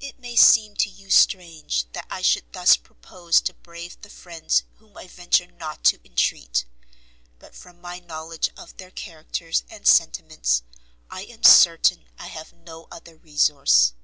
It may seem to you strange that I should thus purpose to brave the friends whom I venture not to entreat; but from my knowledge of their characters and sentiments I am certain I have no other resource.